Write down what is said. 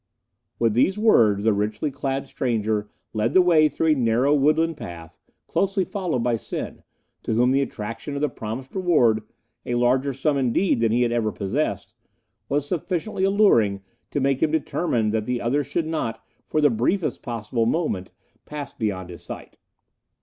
"With these words the richly clad stranger led the way through a narrow woodland path, closely followed by Sen, to whom the attraction of the promised reward a larger sum, indeed, than he had ever possessed was sufficiently alluring to make him determined that the other should not, for the briefest possible moment, pass beyond his sight.